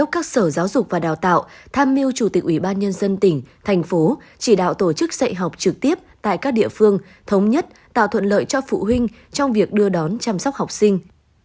các sở giáo dục và đào tạo tham mưu chủ tịch ủy ban nhân dân tỉnh thành phố chỉ đạo tổ chức dạy học trực tiếp tại các địa phương thống nhất tạo thuận lợi cho phụ huynh trong việc đưa đón chăm sóc học sinh